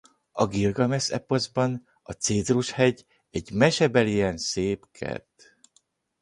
A Gilgames-eposzban a Cédrus-hegy egy mesebelien szép kert.